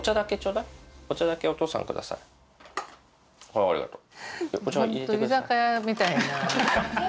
はいありがとう。